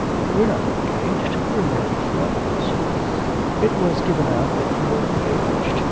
We are not engaged; we're merely friends.' 'It was given out that you were engaged.